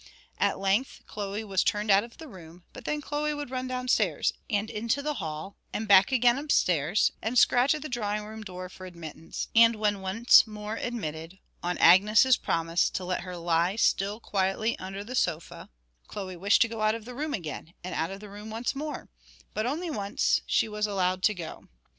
At length Chloe was turned out of the room, but then Chloe would run downstairs, and into the hall, and back again upstairs, and scratch at the drawing room door for admittance, and when once more admitted, on Agnes's promise to let her lie still quietly under the sofa, Chloe wished to go out of the room again; and out of the room once more, but only once, she was allowed to go.